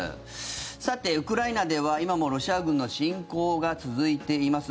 さて、ウクライナでは今もロシア軍の侵攻が続いています。